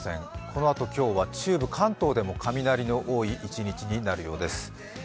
このあと、今日は中部、関東でも雷の多い１日になるそうです。